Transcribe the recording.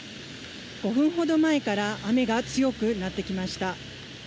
５分ほど前から雨が強くなってきました。